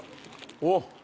おっ！